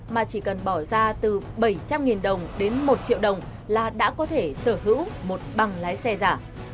mà chỉ cần bỏ ra từ bảy trăm linh đồng đến một triệu đồng là đã có thể sở hữu một bằng lái xe giả